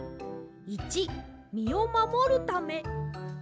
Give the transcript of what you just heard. ①みをまもるため。